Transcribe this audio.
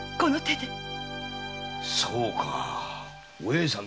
そうかお栄さん